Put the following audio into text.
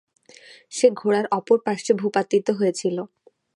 সে ঘোড়ার অপর পার্শ্বে ভূপাতিত হয়েছিল।